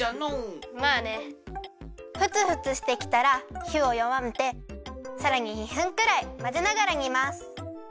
ふつふつしてきたらひをよわめてさらに２分くらいまぜながらにます。